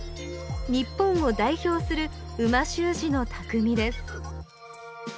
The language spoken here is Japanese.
日本を代表する美味しゅう字のたくみです